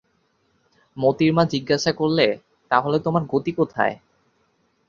মোতির মা জিজ্ঞাসা করলে, তা হলে তোমার গতি কোথায়?